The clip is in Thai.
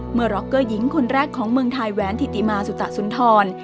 เมื่อร็อกเกอร์หญิงคนแรกของเมืองไทยแว้นถิติมาสุตสัตว์สุนทร